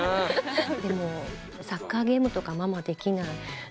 でもサッカーゲームとかママできない。